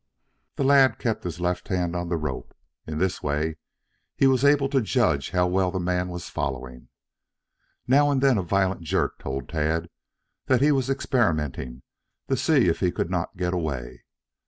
The lad kept his left hand on the rope. In this way he was able to judge how well the man was following. Now and then a violent jerk told Tad that he was experimenting to see if he could not get away.